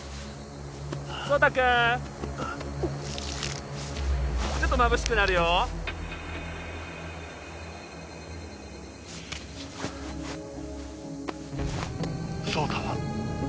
壮太君ちょっとまぶしくなるよ壮太は？